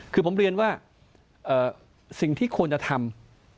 คือผมเรียนว่าสิ่งที่ควรจะทำ